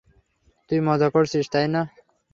তুই মজা করছিস, তাই না।